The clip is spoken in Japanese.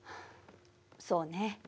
そうね。